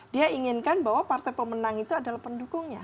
dia inginkan bahwa partai pemenang itu adalah pendukungnya